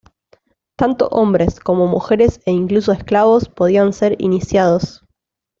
Tanto hombres, como mujeres e incluso esclavos podían ser iniciados.